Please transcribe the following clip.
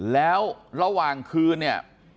แล้วระหว่างคืนเนี่ย